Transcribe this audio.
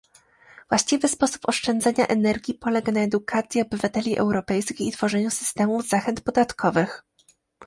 Właściwy sposób oszczędzania energii polega na edukacji obywateli europejskich i tworzeniu systemów zachęt podatkowych